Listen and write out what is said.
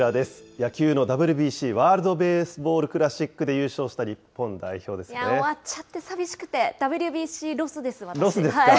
野球のＷＢＣ・ワールドベースボールクラシックで優勝した日本代終わっちゃって寂しくて、Ｗロスですか。